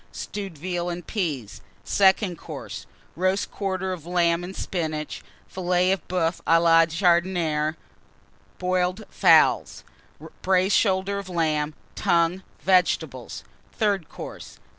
Stewed Veal and Peas. SECOND COURSE. Roast Quarter of Lamb and Spinach. Filet de Boeuf à la Jardinière. Boiled Fowls. Braised Shoulder of Lamb. Tongue. Vegetables. THIRD COURSE.